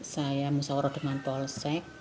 saya musawroh dengan polsek